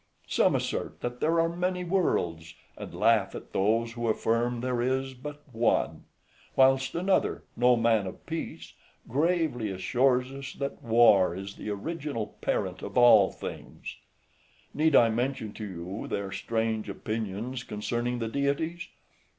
Some assert that there are many worlds, {163a} and laugh at those who affirm there is but one; whilst another, {163b} no man of peace, gravely assures us that war is the original parent of all things. Need I mention to you their strange opinions concerning the deities?